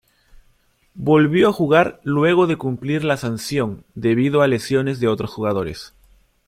Volvió a jugar luego de cumplir la sanción debido a lesiones de otros jugadores.